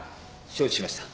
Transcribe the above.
承知しました。